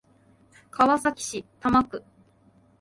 川崎市多摩区